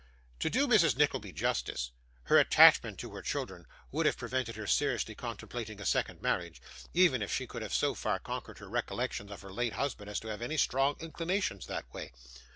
To do Mrs. Nickleby justice, her attachment to her children would have prevented her seriously contemplating a second marriage, even if she could have so far conquered her recollections of her late husband as to have any strong inclinations that way.